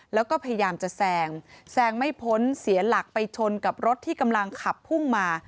แล้วก็พยายามจะแซงแซงไม่พ้นเสียหลักไปชนกับรถที่กำลังขับพุ่งมา